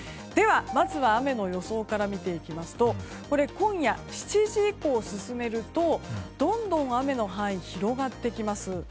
では、まずは雨の予想から見ていきますと今夜７時以降、進めるとどんどん、雨の範囲が広がってきます。